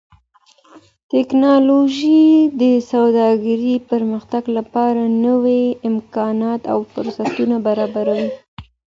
ټکنالوژي د سوداګرۍ پرمختګ لپاره نوي امکانات او فرصتونه برابروي.